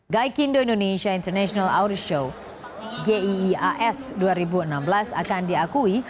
gaikindo indonesia international audir show gias dua ribu enam belas akan diakui